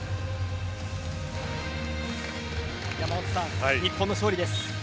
山本さん、日本の勝利です。